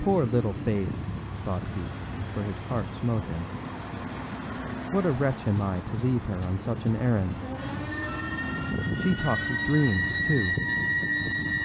âPoor little Faith!â thought he, for his heart smote him. âWhat a wretch am I to leave her on such an errand! She talks of dreams, too.